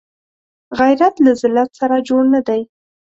غیرت له ذلت سره جوړ نه دی